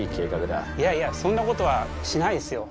いやいやそんなことはしないですよ。